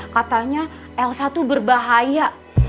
katanya elsa tuh berbahaya